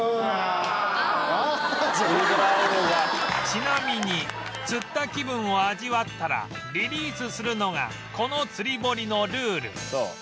ちなみに釣った気分を味わったらリリースするのがこのつり堀のルール